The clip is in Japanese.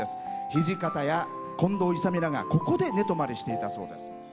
土方や近藤勇らがここで寝泊まりしていたそうです。